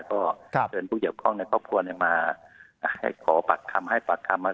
ก็เชิญพวกเหยียบข้องในครอบครัวมาขอปักคำให้ปักคำ